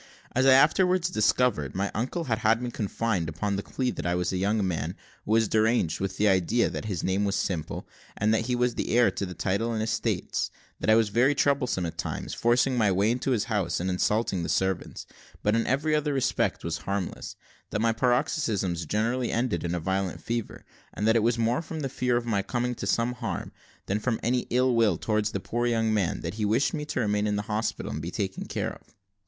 As I afterwards discovered, my uncle had had me confined upon the plea that I was a young man, who was deranged with an idea that his name was Simple, and that he was the heir to the title and estates; that I was very troublesome at times, forcing my way into his house and insulting the servants, but in every other respect was harmless; that my paroxysms generally ended in a violent fever, and that it was more from the fear of my coming to some harm, than from any ill will towards the poor young man, that he wished me to remain in the hospital, and be taken care of.